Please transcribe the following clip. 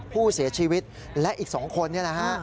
ผู้เสียชีวิตและอีก๒คนนี่แหละฮะ